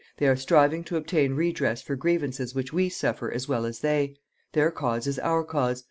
"They are striving to obtain redress for grievances which we suffer as well as they. Their cause is our cause.